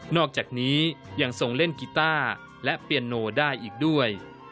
อกจากนี้ยังทรงเล่นกีต้าและเปียโนได้อีกด้วย